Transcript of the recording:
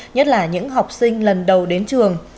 nhất là những học sinh lần đầu đến trường